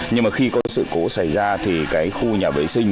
nhưng mà khi có sự cố xảy ra thì cái khu nhà vệ sinh